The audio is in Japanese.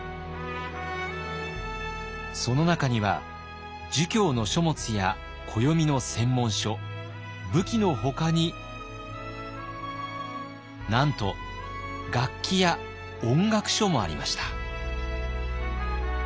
その中には儒教の書物や暦の専門書武器のほかになんと楽器や音楽書もありました。